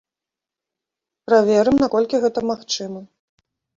Праверым, наколькі гэта магчыма.